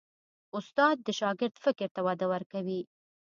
استاد د شاګرد فکر ته وده ورکوي.